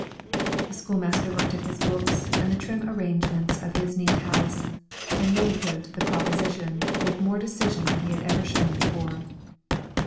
The schoolmaster looked at his books and the trim arrangements of his neat house, and negatived the proposition with more decision than he had ever shown before.